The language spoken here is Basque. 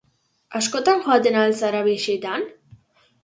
Askotan joaten al zara bisitan?